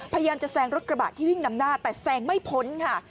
พยายามจะแซงรถกระบะที่วิ่งนำหน้าแต่แซงไม่พ้นค่ะ